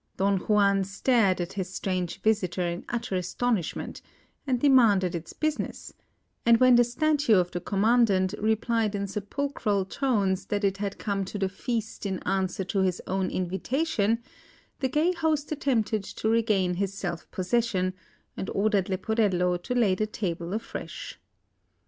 Don Juan stared at his strange visitor in utter astonishment, and demanded its business; and when the Statue of the Commandant replied in sepulchral tones that it had come to the feast in answer to his own invitation, the gay host attempted to regain his self possession, and ordered Leporello to lay the table afresh.